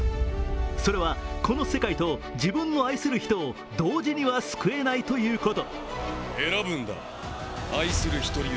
それはこの世界と自分の愛する人を同時には救えないということ。